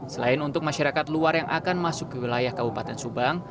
selain untuk masyarakat luar yang akan masuk ke wilayah kabupaten subang